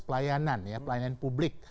pelayanan ya pelayanan publik